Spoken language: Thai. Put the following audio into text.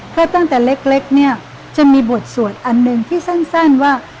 ถ้าตั้งแต่เล็กเนี่ยจะมีบทสวดอันหนึ่งที่สั้นว่า